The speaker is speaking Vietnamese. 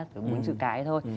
thứ quýnh sự cái thôi